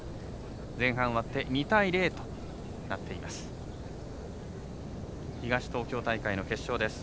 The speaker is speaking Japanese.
前半終わって２対０となっています。